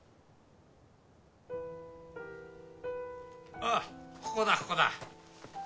あっここだここだ。